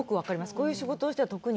こういう仕事をしてたら特に。